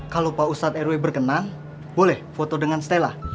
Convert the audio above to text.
kalau pak ustadz rw berkenan boleh foto dengan stella